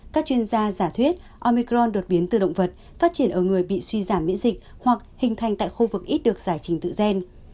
các chuyên gia giả thuyết omicron đột biến từ động vật phát triển ở người bị suy giảm miễn dịch hoặc hình thành tại khu vực ít được giải trình tự gen